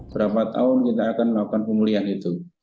berapa tahun kita akan melakukan pemulihan itu